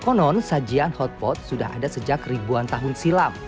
konon sajian hotpot sudah ada sejak ribuan tahun silam